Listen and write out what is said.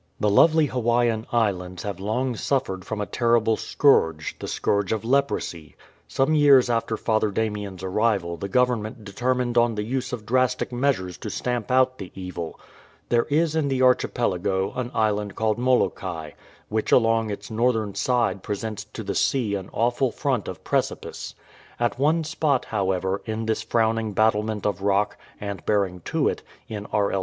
The lovely Hawaiian Islands have long suffered from a terrible scourge, the scourge of leprosy. Some years after Father Damien'*s arrival the Government determined on the use of drastic measures to stamp out the evil. There is in the archipelago an island called Molokai, which along its northern side presents to the sea an awful front of precipice. At one spot, however, in this frowning battlement of rock, and bearing to it, in R. L.